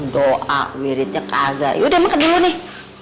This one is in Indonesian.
doa miripnya kagak yaudah makan dulu nih